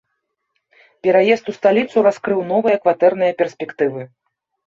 Пераезд у сталіцу раскрыў новыя кватэрныя перспектывы.